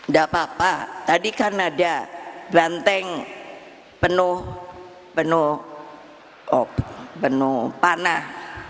gak apa apa tadi kan ada banting penuh panah